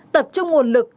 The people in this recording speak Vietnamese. bốn tập trung nguồn lực